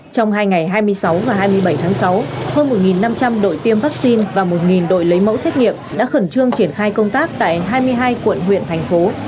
trong hai ngày hai mươi sáu và hai mươi bảy tháng sáu hơn một năm trăm linh đội tiêm vaccine và một đội lấy mẫu xét nghiệm đã khẩn trương triển khai công tác tại hai mươi hai quận huyện thành phố